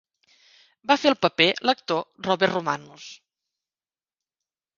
Va fer el paper l'actor Robert Romanus.